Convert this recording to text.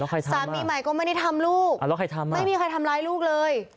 สามีใหม่ก็ไม่ได้ทำลูกไม่มีใครทำร้ายลูกเลย